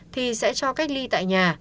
thì sẽ cho cách ly tại nhà